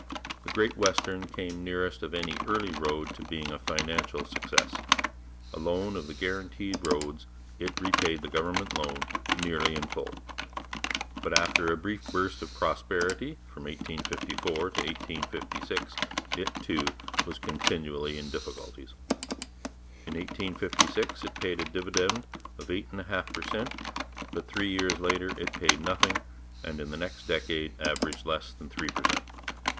The Great Western came nearest of any early road to being a financial success; alone of the guaranteed roads it repaid the government loan, nearly in full. But after a brief burst of prosperity, from 1854 to 1856, it, too, was continually in difficulties. In 1856 it paid a dividend of 8 1/2 per cent, but three years later it paid nothing, and in the next decade averaged less than three per cent.